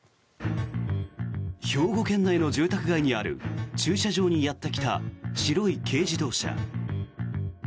兵庫県内の住宅街にある駐車場にやってきた白い軽自動車。